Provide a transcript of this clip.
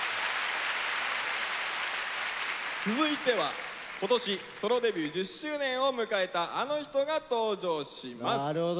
続いては今年ソロデビュー１０周年を迎えたあの人が登場します。